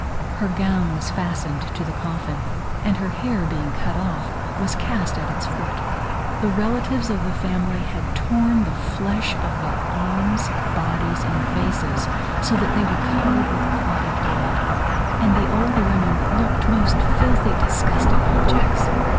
Her gown was fastened to the coffin, and her hair being cut off was cast at its foot. The relatives of the family had torn the flesh of their arms, bodies, and faces, so that they were covered with clotted blood; and the old women looked most filthy, disgusting objects.